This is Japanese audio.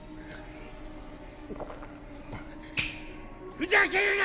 ふざけるな！